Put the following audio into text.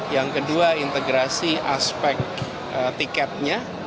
yang kedua integrasi aspek tiketnya